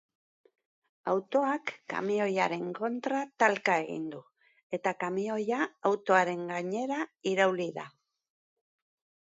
Autoak kamioiaren kontra talka egin du, eta kamioia autoaren gainera irauli da.